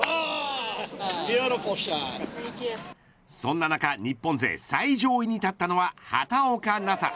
そんな中日本勢最上位に立ったのは畑岡奈紗。